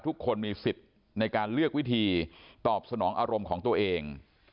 ทุกคนมีสิทธิ์ในการเลือกวิธีตอบสนองอารมณ์ของตัวเอง